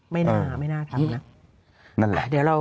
ไม่น่าทำนะโอ้นั่นแหละเดี๋ยวเรา